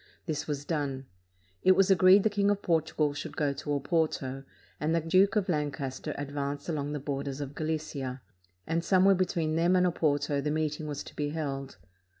This was done. It was agreed the King of Portugal should go to Oporto, and the Duke of Lancas ter advance along the borders of Galicia; and some where between them and Oporto the meeting was to be held.